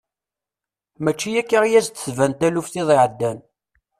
Mačči akka i as-d-tban taluft iḍ iɛeddan.